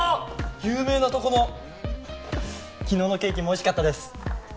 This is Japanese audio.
有名なとこの昨日のケーキもおいしかったです